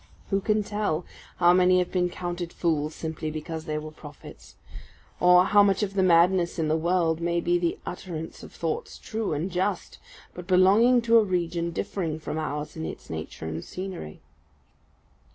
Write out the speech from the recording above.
Who can tell how many have been counted fools simply because they were prophets; or how much of the madness in the world may be the utterance of thoughts true and just, but belonging to a region differing from ours in its nature and scenery!